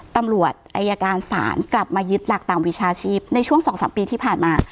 ตำรวจอายการศาลกลับมายึดหลักตามวิชาชีพในช่วง๒๓ปีที่ผ่านมา